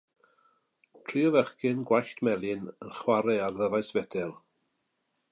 Tri o fechgyn gwallt melyn yn chwarae ar ddyfais fetel.